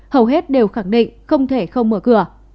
hầu hết đều khẳng định không thể không mở cửa